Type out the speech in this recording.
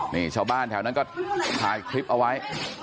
นี่ชาวบ้านแถวนั้นก็ถ่ายคลิปเอาไว้